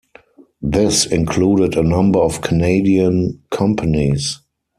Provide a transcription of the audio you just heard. This included a number of Canadian companies.